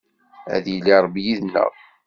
Ad yili Ṛebbi yid-neɣ.